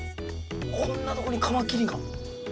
こんなとこにカマキリが！